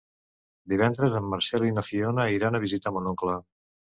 Divendres en Marcel i na Fiona iran a visitar mon oncle.